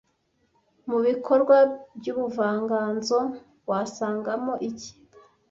Mubikorwa byubuvanganzo wasangamo iki